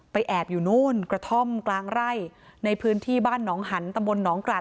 แอบอยู่นู่นกระท่อมกลางไร่ในพื้นที่บ้านหนองหันตำบลหนองกราด